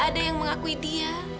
gak ada yang mengakui dia